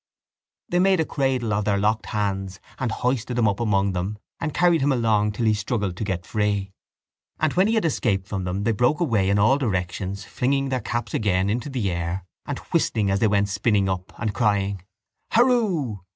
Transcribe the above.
They made a cradle of their locked hands and hoisted him up among them and carried him along till he struggled to get free. And when he had escaped from them they broke away in all directions, flinging their caps again into the air and whistling as they went spinning up and crying: —Hurroo!